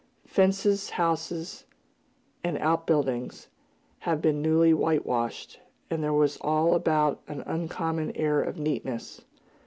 Fences, house, and outbuildings had been newly whitewashed, and there was all about an uncommon air of neatness.